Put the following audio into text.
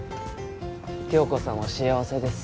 響子さんは幸せです